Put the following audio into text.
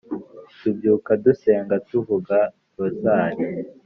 Tubyuka dusenga ,tuvuga rozari